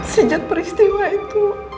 sejak peristiwa itu